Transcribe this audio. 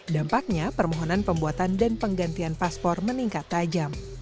dampaknya permohonan pembuatan dan penggantian paspor meningkat tajam